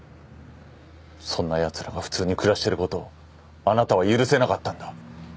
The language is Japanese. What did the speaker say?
そんなやつらが普通に暮らしてることをあなたは許せなかったんだ。